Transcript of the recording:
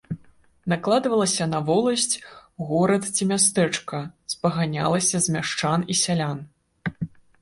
Накладвалася на воласць, горад ці мястэчка, спаганялася з мяшчан і сялян.